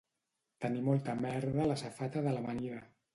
Tenir molta merda a la safata de l'amanida